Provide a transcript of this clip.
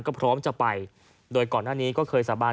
ก็พร้อมจะไปโดยก่อนหน้านี้ก็เคยสาบาน